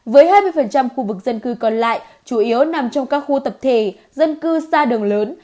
với hai mươi khu vực dân cư còn lại chủ yếu nằm trong các khu tập thể dân cư xa đường lớn